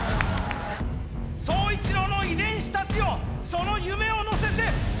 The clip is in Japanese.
宗一郎の遺伝子たちよその夢を乗せて。